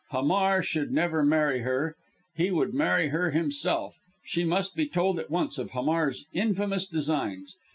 Hamar should never marry her he would marry her himself. She must be told at once of Hamar's infamous designs.